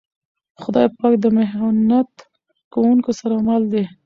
خدای پاک د محنت کونکو سره مل دی.